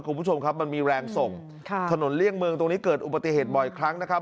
คุณผู้ชมครับมันมีแรงส่งค่ะถนนเลี่ยงเมืองตรงนี้เกิดอุบัติเหตุบ่อยครั้งนะครับ